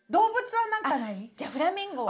あっじゃあフラミンゴは？